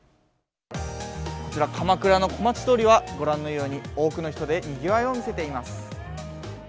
こちら、鎌倉の小町通りは、ご覧のように、多くの人でにぎわいを見せています。